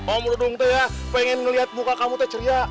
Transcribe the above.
om merudung tuh ya pengen ngeliat muka kamu tuh ceria